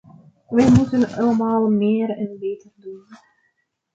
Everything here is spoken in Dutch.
Wij moeten allemaal meer en beter doen.